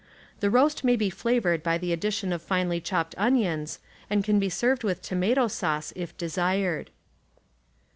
The roast may be flavored by the addi tion of finely chopped onions, and can be served with tomato sauce if desired.